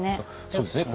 そうですね